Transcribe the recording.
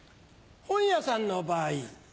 本屋さんの場合。